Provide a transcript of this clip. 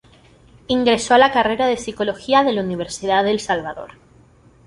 Ingresó a la carrera de psicología en la Universidad de El Salvador.